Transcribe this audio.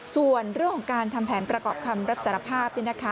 ส่วนเรื่องของการทำแผนประกอบคำรับสารภาพ